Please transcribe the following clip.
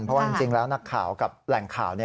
เพราะว่าจริงแล้วนักข่าวกับแหล่งข่าว